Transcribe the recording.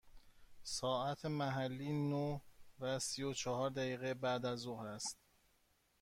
ساعت محلی نه و سی و چهار دقیقه بعد از ظهر است.